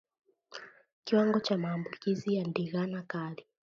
Kiwango cha maambukizi ya ndigana kali